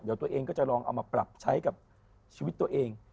เดี๋ยวตัวเองก็จะลองเอามาปรับใช้กับชีวิตตัวเอง